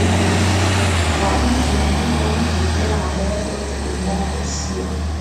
wa mtu Na hivyo mtu hutenda mambo yake yote kulingana na hisia